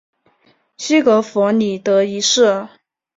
西格弗里德一世。